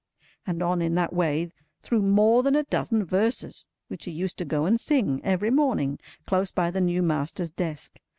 —and on in that way through more than a dozen verses, which he used to go and sing, every morning, close by the new master's desk.